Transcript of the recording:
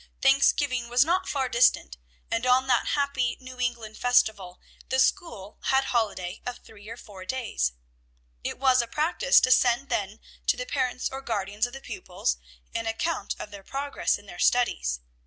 Thanksgiving was not far distant, and on that happy New England festival, the school had a holiday of three or four days. It was a practice to send then to the parents or guardians of the pupils an account of their progress in their studies.